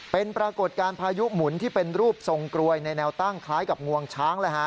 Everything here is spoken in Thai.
เป็นปรากฏการณ์พายุหมุนที่เป็นรูปทรงกรวยในแนวตั้งคล้ายกับงวงช้าง